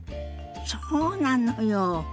そうなのよ。